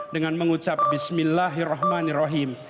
dengan mengucap bismillahirrahmanirrahim